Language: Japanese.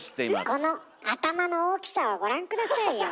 この頭の大きさをご覧下さいよ。